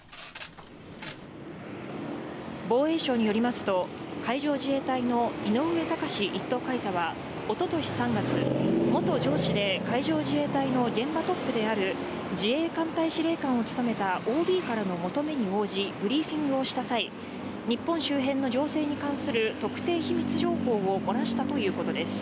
防衛省によりますと、海上自衛隊の井上高志１等海佐は、おととし３月、元上司で海上自衛隊の現場トップである自衛艦隊司令官を務めたＯＢからの求めに応じブリーフィングをした際、日本周辺の情勢に関する特定秘密情報を漏らしたということです。